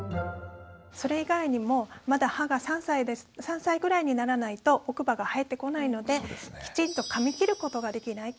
それ以外にもまだ歯が３歳ぐらいにならないと奥歯が生えてこないのできちんとかみ切ることができない。